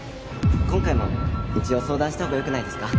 今回も一応相談したほうがよくないですか？